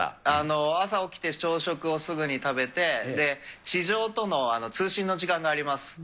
朝起きて、朝食をすぐに食べて、地上との通信の時間があります。